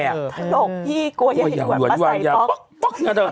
หลบพี่กลัวอย่าเห็นหวัดมาใส่ต๊อก